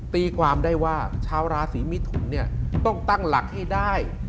ตีความได้ว่าชาวราศีมิถุนเนี่ยต้องตั้งหลักให้ได้